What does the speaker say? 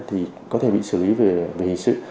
thì có thể bị xử lý về hình sự